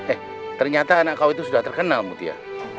eh ternyata anak kau itu sudah terkenal mutia